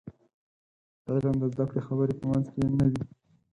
د علم د زده کړې خبرې په منځ کې نه وي.